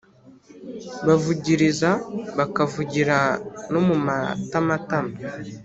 bavugiriza, bakavugira no mu matamatama»,